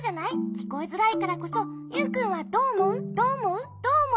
きこえづらいからこそ「ユウくんはどうおもう？